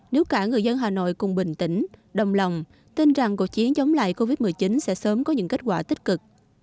nếu cả người dân hà nội cùng bình tĩnh đồng lòng tin rằng cuộc chiến chống lại covid một mươi chín sẽ sớm có những kết quả tích cực